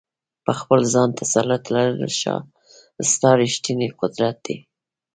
په خپل ځان تسلط لرل ستا ریښتینی قدرت دی.